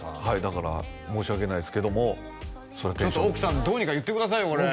はいだから申し訳ないですけどもちょっと奥さんどうにか言ってくださいよ